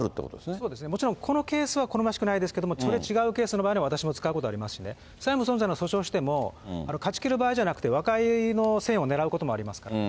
そうですね、もちろんこのケースは好ましくないですけれども、違うケースの場合には、私も使うことありますしね、債務不存在の訴訟をしても、勝ちきる場合じゃなくて、和解の線をねらうこともありますから。